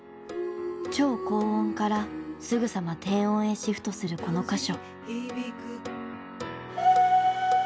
超高音からすぐさま低音へシフトするこの箇所。